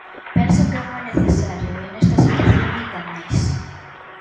Penso que é moi necesario, e nesta situación aínda máis.